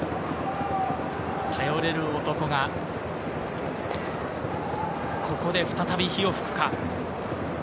頼れる男がここで再び火を噴くか。